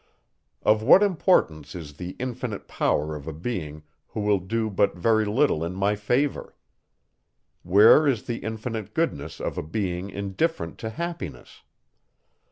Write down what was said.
Of what importance is the infinite power of a being, who will do but very little in my favour? Where is the infinite goodness of a being, indifferent to happiness?